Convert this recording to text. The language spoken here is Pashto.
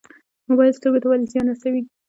موبایل سترګو ته ولې زیان رسوي؟